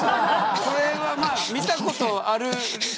これは見たことある。